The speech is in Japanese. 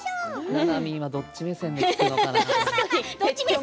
ななみはどっち目線で聴くのかな？